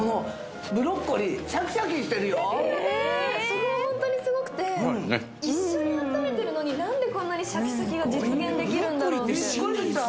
そこがホントにすごくて一緒に温めてるのに何でこんなにシャキシャキが実現できるんだろうって